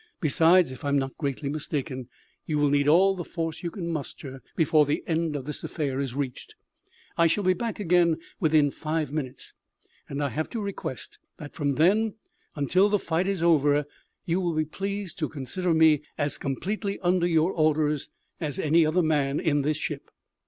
Besides, if I am not greatly mistaken, you will need all the force you can muster before the end of the affair is reached. I shall be back again within five minutes, and I have to request that, from then until the fight is over, you will be pleased to consider me as completely under your orders as any other man in the ship."